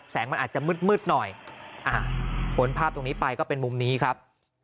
มันอาจจะมืดหน่อยพ้นภาพตรงนี้ไปก็เป็นมุมนี้ครับ